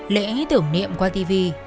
lễ tưởng niệm qua tv